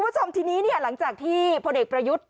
คุณผู้ชมทีนี้หลังจากที่พลเอกประยุทธ์